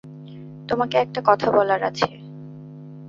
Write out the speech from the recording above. তোমাকে একটা কথা বলার আছে।